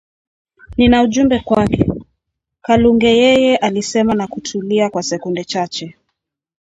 “Nina ujumbe wake,” Kalungeyeye alisema na kutulia kwa sekunde chache